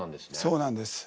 そうなんです。